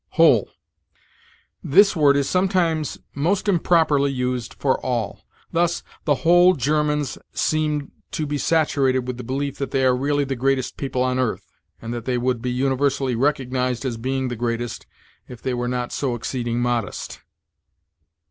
WHOLE. This word is sometimes most improperly used for all; thus, "The whole Germans seem to be saturated with the belief that they are really the greatest people on earth, and that they would be universally recognized as being the greatest, if they were not so exceeding modest."